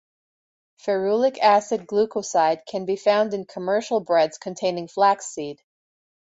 Ferulic acid glucoside can be found in commercial breads containing flaxseed.